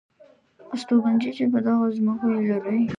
استوګنځي چې په دغه ځمکه یې لرئ .